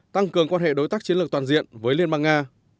tăng cường quan hệ đối tác chiến lược toàn diện với liên bang nga